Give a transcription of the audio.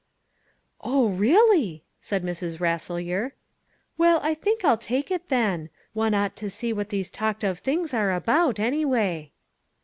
"Oh, really!" said Mrs. Rasselyer. "Well, I think I'll take it then. One ought to see what these talked of things are about, anyway."